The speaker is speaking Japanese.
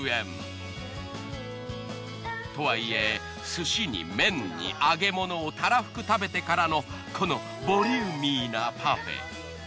とはいえ寿司に麺に揚げ物をたらふく食べてからのこのボリューミーなパフェ。